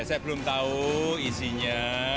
saya belum tahu isinya